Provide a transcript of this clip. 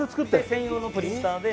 専用のプリンターで。